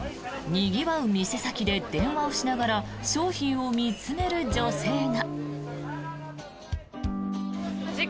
にぎわう店先で電話をしながら商品を見つめる女性が。